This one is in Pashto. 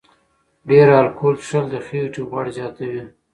ډېر الکول څښل د خېټې غوړ زیاتوي.